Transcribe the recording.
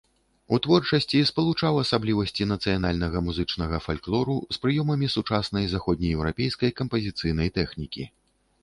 У творчасці спалучаў асаблівасці нацыянальнага музычнага фальклору з прыёмамі сучаснай заходнееўрапейскай кампазіцыйнай тэхнікі.